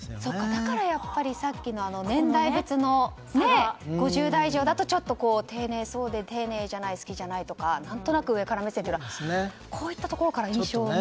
だからやっぱりさっきの年代別の５０代以上だと丁寧そうで丁寧じゃない好きじゃないとか何となく上から目線というのはこういったところからの印象が。